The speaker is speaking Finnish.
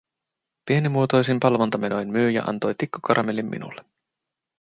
Pienimuotoisin palvontamenoin myyjä antoi tikkukaramellin minulle.